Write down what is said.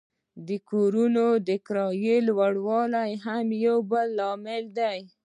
د کورونو د کرایې لوړوالی هم یو بل لامل دی